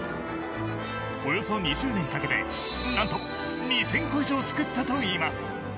およそ２０年かけて何と２０００個以上作ったといいます。